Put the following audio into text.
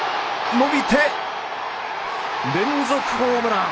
伸びて、連続ホームラン。